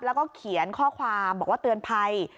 แล้วก็เขียนข้อความบอกว่าเตือนภัย